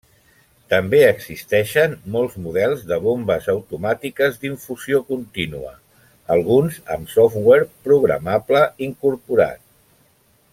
També existeixen molts models de bombes automàtiques d'infusió contínua, alguns amb software programable incorporat.